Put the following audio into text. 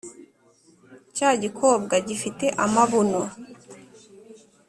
cya gikobwa gifite amabuno